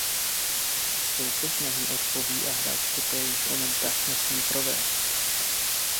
Soupeř na ni odpoví a hráč poté již onen tah smí provést.